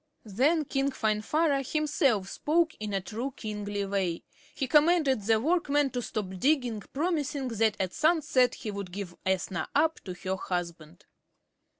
Then King Finvarra himself spoke, in a true kingly way. He commanded the workmen to stop digging, promising that at sunset he would give Ethna up to her husband.